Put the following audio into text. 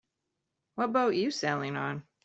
What boat you sailing on?